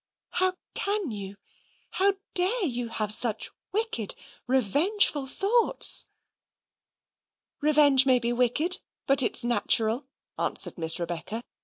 "How can you how dare you have such wicked, revengeful thoughts?" "Revenge may be wicked, but it's natural," answered Miss Rebecca.